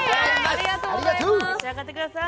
召し上がってください。